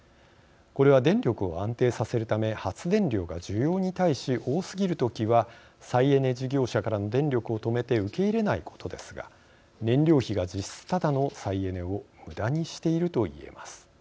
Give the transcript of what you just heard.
これは、電力を安定させるため発電量が需要に対し多すぎる時は再エネ事業者からの電力を止めて受け入れないことですが燃料費が実質ただの再エネをむだにしていると言えます。